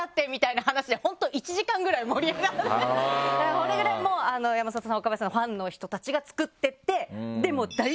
それぐらい山里さん若林さんのファンの人たちが作ってて。